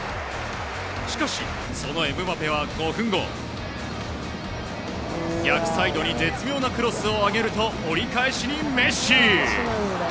しかし、そのエムバペは５分後逆サイドに絶妙なクロスを上げると折り返しに、メッシ。